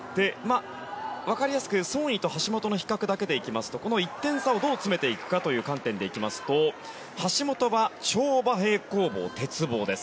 分かりやすくソン・イと橋本のヒカクダケデ行きますとこの１点差をどう詰めていくかという観点でいきますと橋本は跳馬、平行棒、鉄棒です。